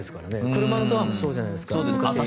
車のドアもそうじゃないですか。